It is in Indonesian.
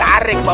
oh bapak bapak